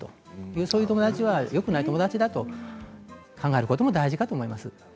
こういう友達はよくない友達だと考えることも大事だと思います。